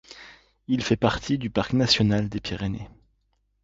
Il fait partie du parc national des Pyrénées.